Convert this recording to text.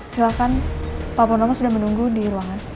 silahkan pak purnomo sudah menunggu di ruangan